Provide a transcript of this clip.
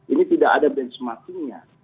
ini tidak ada benchmark nya